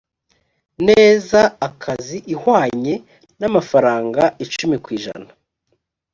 neza akazi ihwanye n amafaranga icumi ku ijana